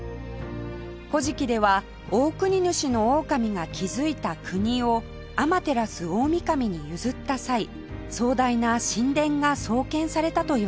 『古事記』では大国主大神が築いた国を天照大神に譲った際壮大な神殿が創建されたといわれています